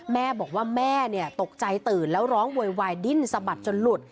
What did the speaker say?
แม่บอกว่าแม่ตกใจตื่นแล้วร้องโวยวายดิ้นสะบัดจนหลุด